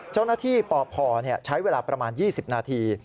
เจ้าหน้าที่ปอบคอใช้เวลาประมาณ๒๐นาที